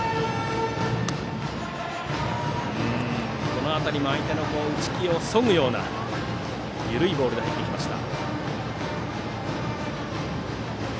この辺りも相手の打ち気をそぐような緩いボールで入ってきました。